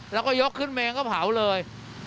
แล้วก็ยกขึ้นเมนก็เผาเลย